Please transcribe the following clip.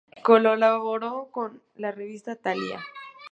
Colaboró con la Revista Talía.